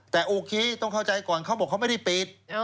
แต่โอเคต้องเข้าใจก่อนเขาบอกเขาไม่ได้ปิด